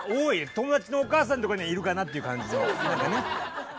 友達のお母さんとかにはいるかなっていう感じの何かね。